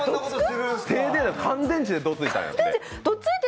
乾電池でどついたんやって。